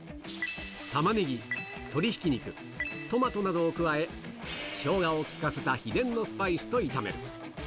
タマネギ、鶏ひき肉、トマトなどを加え、ショウガを効かせた秘伝のスパイスと炒める。